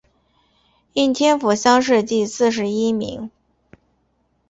应天府乡试第四十一名。